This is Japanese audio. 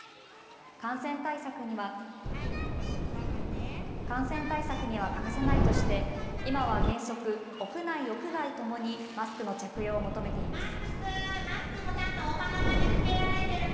感染対策には欠かせないとして今は原則、屋内、屋外ともにマスクの着用を求めています。